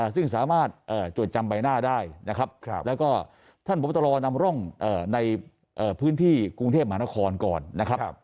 ซึ่งสามารถจดจำใบหน้าได้นะครับแล้วก็ท่านพบตรนำร่องในพื้นที่กรุงเทพมหานครก่อนนะครับ